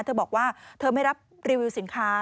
เธอบอกว่าเธอไม่รับรีวิวสินค้า